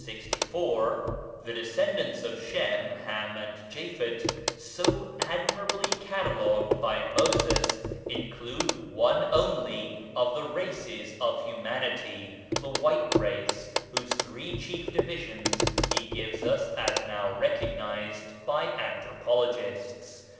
64), "The descendants of Shem, Ham, and Japhet, so admirably catalogued by Moses, include one only of the races of humanity, the white race, whose three chief divisions he gives us as now recognized by anthropologists.